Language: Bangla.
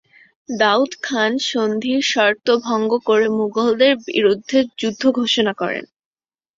দাউদ খান সন্ধির শর্ত ভঙ্গ করে মুগলদের বিরুদ্ধে যুদ্ধ ঘোষণা করেন।